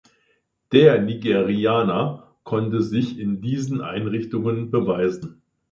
Der Nigerianer konnte sich in diesen Einrichtungen beweisen.